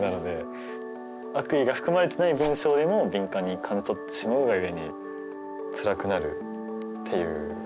悪意が含まれてない文章でも敏感に感じ取ってしまうが故につらくなるっていう。